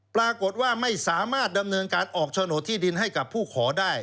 ปรากฏว่าไม่สามารถดำเนินการออกโฉนดที่ดินให้กับผู้ขอได้